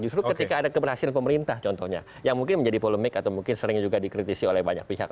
justru ketika ada keberhasilan pemerintah contohnya yang mungkin menjadi polemik atau mungkin sering juga dikritisi oleh banyak pihak